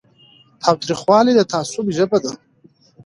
تاوتریخوالی د تعصب ژبه ده